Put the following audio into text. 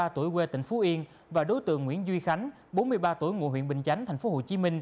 ba mươi tuổi quê tỉnh phú yên và đối tượng nguyễn duy khánh bốn mươi ba tuổi ngụ huyện bình chánh tp hcm